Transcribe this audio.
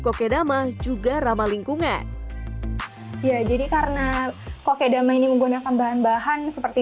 kokedama juga ramah lingkungan ya jadi karena kokedama ini menggunakan bahan bahan seperti